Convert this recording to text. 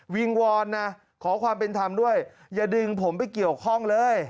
วิงวอนนะขอความเป็นธรรมด้วยอย่าดึงผมไปเกี่ยวข้องเลย